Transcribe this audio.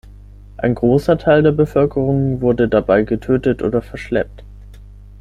Ein großer Teil der Bevölkerung wurde dabei getötet oder verschleppt.